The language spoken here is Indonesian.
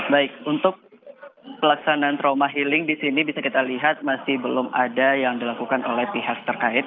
baik untuk pelaksanaan trauma healing di sini bisa kita lihat masih belum ada yang dilakukan oleh pihak terkait